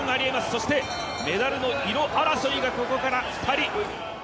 そしてメダルの色争いがここから２人。